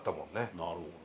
なるほどね。